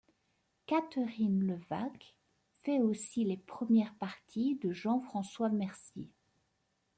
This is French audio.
Katherine Levac fait aussi les premières parties de Jean-François Mercier.